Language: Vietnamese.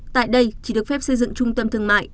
tại đây chỉ được phép xây dựng trung tâm thương mại